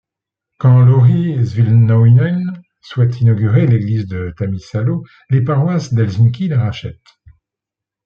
Quand Lauri Silvennoinen souhaite inaugurer l'église de Tammisalo les paroisses d'Helsinki la rachètent.